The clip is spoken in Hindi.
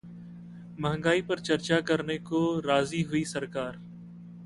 महंगाई पर चर्चा करने को राजी हुई सरकार